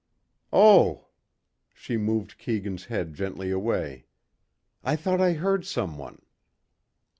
"Oh!" She moved Keegan's head gently away. "I thought I heard someone."